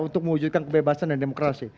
untuk mewujudkan kebebasan dan demokrasi